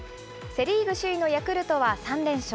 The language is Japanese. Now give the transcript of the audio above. セ・リーグ首位のヤクルトは３連勝。